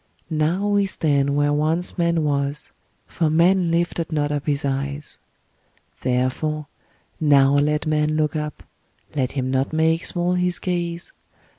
Now we stand where once man was, for man lifted not up his eyes. Therefore, now let man look up, let him not make small his gaze.